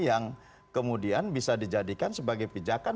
yang kemudian bisa dijadikan sebagai pijakan